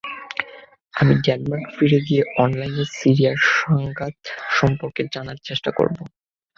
আমি ডেনমার্কে ফিরে গিয়ে অনলাইনে সিরিয়ার সংঘাত সম্পর্কে জানার চেষ্টা করব।